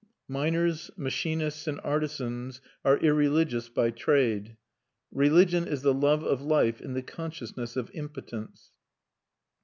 Miners, machinists, and artisans are irreligious by trade. Religion is the love of life in the consciousness of impotence.